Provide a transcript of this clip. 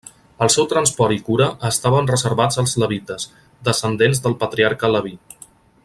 El seu transport i cura estaven reservats als levites, descendents del patriarca Leví.